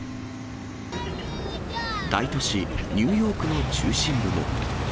大都市、ニューヨークの中心部も。